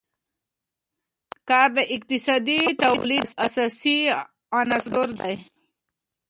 کار د اقتصادي تولید اساسي عنصر دی.